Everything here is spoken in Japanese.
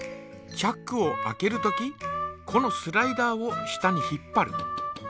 チャックを開けるときこのスライダーを下に引っぱる。